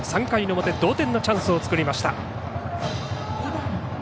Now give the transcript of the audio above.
３回の表、同点のチャンスを作りました。